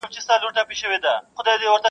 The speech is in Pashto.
قدر کېمیا دی په دې دیار کي -